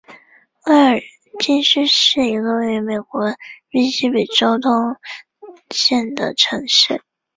威金斯是一个位于美国密西西比州斯通县的城市。